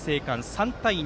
３対２。